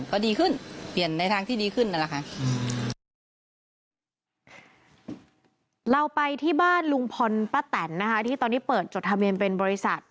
เราไปที่บ้านลุงพลป้าแต่นที่ตอนนี้เปิดจดทะเบียนเป็นบริษัท